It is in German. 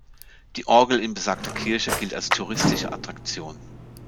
Die Orgel in besagter Kirche gilt als touristische Attraktion.